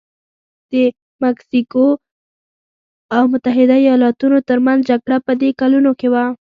د مکسیکو او متحده ایالتونو ترمنځ جګړه په دې کلونو کې وه.